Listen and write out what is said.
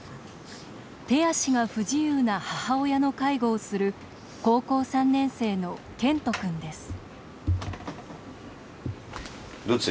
手足が不自由な母親の介護をする高校３年生の健人君です